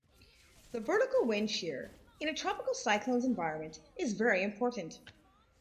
The vertical wind shear in a tropical cyclone's environment is very important.